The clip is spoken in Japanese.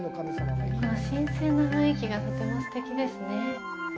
この神聖な雰囲気がとてもすてきですね。